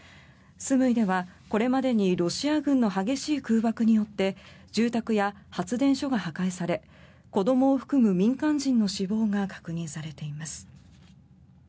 スムイではこれまでにロシア軍の激しい空爆によって住宅や発電所が破壊され子どもを含む民間人の死亡が確認されています。